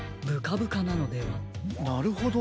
なるほど。